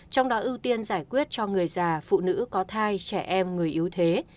trong đó ưu tiên giải quyết cho người già phụ nữ có thai trẻ em người yếu thế